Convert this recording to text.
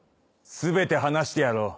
全て話してやろう。